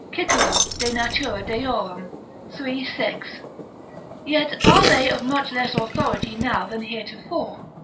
Cicero, De Natura Deor., iii. 6.] yet are they of much less authority now than heretofore.